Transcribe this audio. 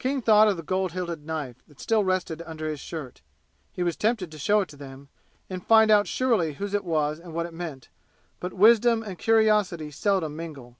King thought of the gold hilted knife, that still rested under his shirt. He was tempted to show it to them and find out surely whose it was and what it meant. But wisdom and curiosity seldom mingle.